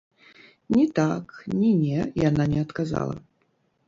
Ні так, ні не яна не адказала.